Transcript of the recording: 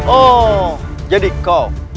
oh jadi kau